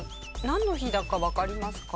なんの日だかわかりますか？